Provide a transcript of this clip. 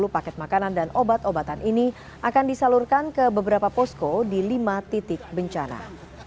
satu ratus dua puluh paket makanan dan obat obatan ini akan disalurkan ke beberapa posko di lima titik bencana